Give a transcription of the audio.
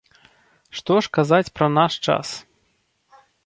Што ж казаць пра наш час?